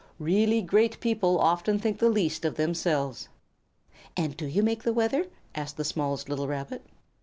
Really great people often think the least of themselves." "And do you make the weather?" asked the smallest little Rabbit.